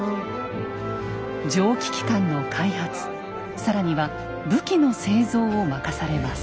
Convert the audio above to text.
蒸気機関の開発更には武器の製造を任されます。